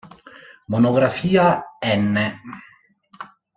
Monografia n.